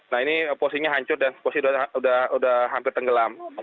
nah ini posisinya hancur dan posisi sudah hampir tenggelam